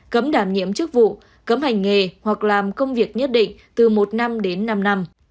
cấm đảm nhiệm chức vụ cấm hành nghề hoặc làm công việc nhất định từ một năm đến năm năm